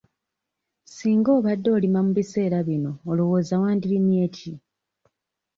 Singa obadde olima mu biseera bino olowooza wandirimye ki?